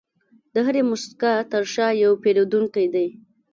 د هرې موسکا تر شا یو پیرودونکی دی.